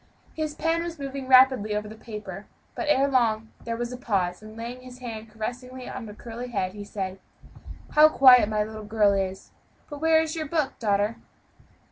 His pen was moving rapidly over the paper, but ere long there was a pause, and laying his hand caressingly on the curly head, he said, "How quiet my little girl is; but where is your book, daughter?"